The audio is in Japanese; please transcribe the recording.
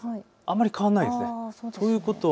あんまり変わらないんです。